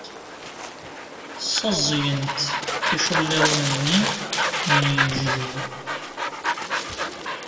Ssaẓyent ticulliḍin-nni n yejdi.